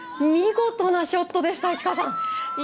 見事なショットでした市川さん。